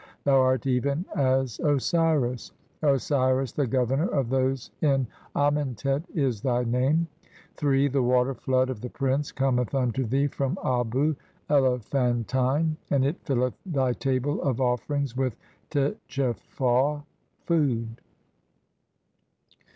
Thou art even as Osiris. Osiris the Governor "of those in Amentet is thy name. (3) The water flood "of the prince cometh unto thee from Abu (Elephan tine), and it filleth thy table of offerings with tchcfau "food."